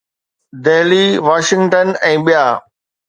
Delhi, Washington ۽ ”ٻيا“.